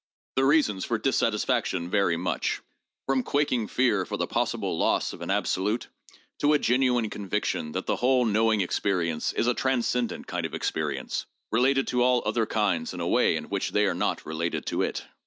The reasons for dissatisfaction vary much, from quaking fear for the possible loss of an absolute to a genuine conviction that the whole knowing experience is a transcendent kind of experience, related to all other kinds in a way in which they are not related to it.